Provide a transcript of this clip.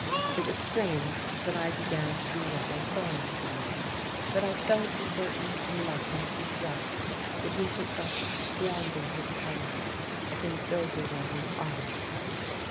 It was strange that I began to be rather sorry for him, that I felt a certain reluctant regret that he should thus squander his powers against overwhelming odds.